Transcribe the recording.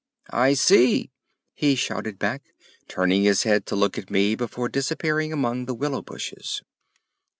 "I see," he shouted back, turning his head to look at me before disappearing among the willow bushes.